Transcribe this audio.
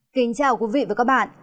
kính chào quý vị và các bạn